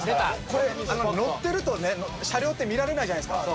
これ乗ってるとね車両って見られないじゃないですか。